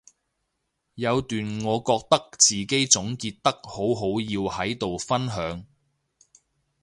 有段我覺得自己總結得好好要喺度分享